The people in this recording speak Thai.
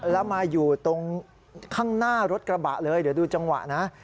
แล้วมาอยู่ตรงข้างหน้ารถกระบะเลยเดี๋ยวดูจังหวะนะ